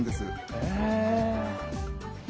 へえ。